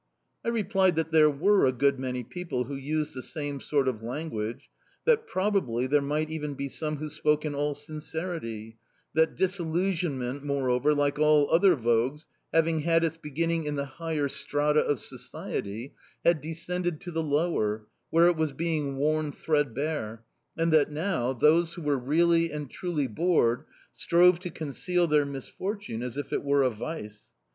I replied that there were a good many people who used the same sort of language, that, probably, there might even be some who spoke in all sincerity; that disillusionment, moreover, like all other vogues, having had its beginning in the higher strata of society, had descended to the lower, where it was being worn threadbare, and that, now, those who were really and truly bored strove to conceal their misfortune as if it were a vice.